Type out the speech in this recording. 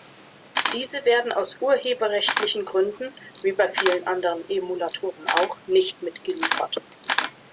Diese werden aus urheberrechtlichen Gründen, wie bei vielen anderen Emulatoren auch, nicht mitgeliefert.